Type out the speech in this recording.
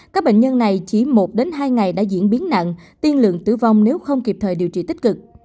các bệnh nhân này chỉ một hai ngày đã diễn biến nặng tiên lượng tử vong nếu không kịp thời điều trị tích cực